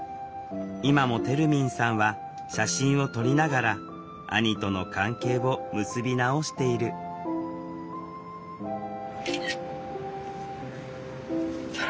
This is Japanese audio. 今もてるみんさんは写真を撮りながら兄との関係を結び直している空。